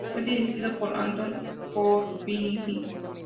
Fue dirigido por Anton Corbijn.